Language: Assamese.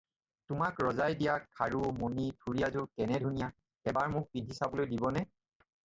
তোমাক ৰজাই দিয়া খাৰু, মণি, থুৰিয়াযোৰ কেনে ধুনীয়া, এবাৰ মোক পিন্ধি চাবলৈ দিবনে?